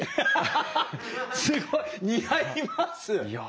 すごい！似合います！